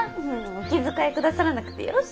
お気遣いくださらなくてよろしいのに。